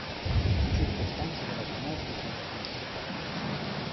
Le circostanze della sua morte sono sconosciute.